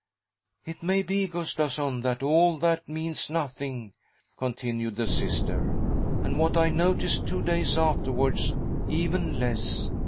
" It may be, Gustavsson, that all that means nothing," continued the Sister, " and what I noticed two days afterwards even less.